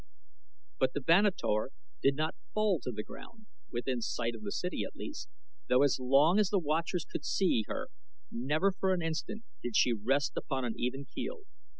But the Vanator did not fall to the ground, within sight of the city at least, though as long as the watchers could see her never for an instant did she rest upon an even keel.